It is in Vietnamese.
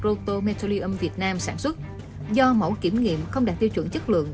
rotomentalium việt nam sản xuất do mẫu kiểm nghiệm không đạt tiêu chuẩn chất lượng